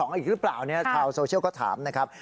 สองอีกหรือเปล่าข่าวโซเชียลก็ถามนะครับ